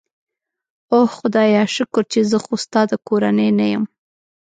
اوه خدایه، شکر چې زه خو ستا د کورنۍ نه یم.